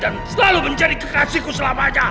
dan selalu menjadi kekasihku selama lamanya